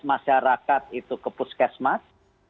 masyarakat itu ke puskesmas